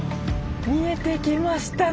見えてきましたね！